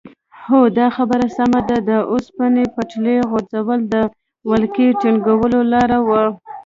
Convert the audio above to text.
هو دا خبره سمه ده د اوسپنې پټلۍ غځول د ولکې ټینګولو لاره وه.